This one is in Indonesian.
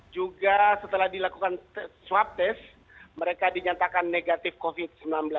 juga setelah dilakukan swab test mereka dinyatakan negatif covid sembilan belas